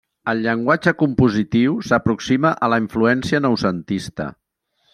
El llenguatge compositiu s'aproxima a la influència noucentista.